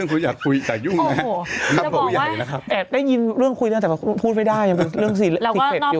โอ้โหจะบอกว่าแอบได้ยินเรื่องคุยแล้วแต่ว่าพูดไม่ได้ยังเป็นเรื่องซีลสิทธิ์อยู่